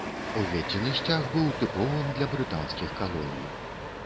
Уведзены сцяг быў тыповым для брытанскіх калоній.